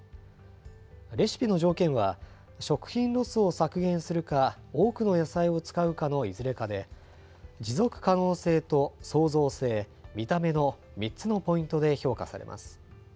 レシピの条件は、食品ロスを削減するか、多くの野菜を使うかのいずれかで、持続可能性と創造性、見た目の３つのポイントで評価されます。